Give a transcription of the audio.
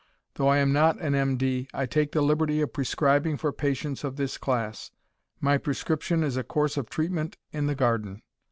Though I am not an M.D. I take the liberty of prescribing for patients of this class. My prescription is a course of treatment in the garden.